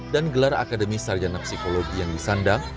dan gelar akademi sarjana psikologi yang di sandang